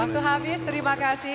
waktu habis terima kasih